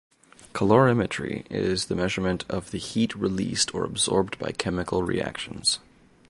Calorimetry is the measurement of the heat released or absorbed by chemical reactions.